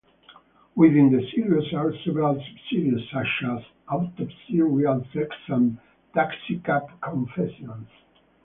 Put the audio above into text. Within the series are several sub-series, such as "Autopsy", "Real Sex", and "Taxicab Confessions".